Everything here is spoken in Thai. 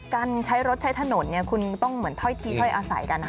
การใช้รถใช้ถนนคุณต้องเหมือนเท้าที่เท้าอาศัยกันนะ